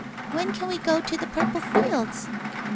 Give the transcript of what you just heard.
' When can we go to the Purple Fields?'